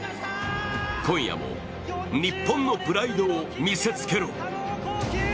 今夜も日本のプライドを見せつけろ。